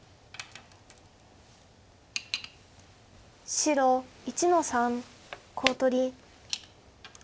白１の三コウ取り。